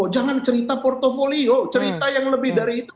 jangan cerita portfolio cerita yang lebih dari itu